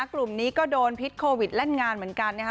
กลุ่มนี้ก็โดนพิษโควิดเล่นงานเหมือนกันนะคะ